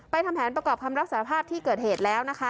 ทำแผนประกอบคำรับสารภาพที่เกิดเหตุแล้วนะคะ